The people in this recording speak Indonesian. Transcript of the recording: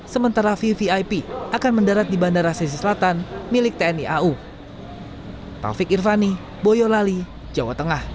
sementara vvip akan mendarat di bandara sisi selatan milik tni au